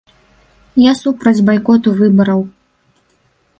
Я супраць байкоту выбараў.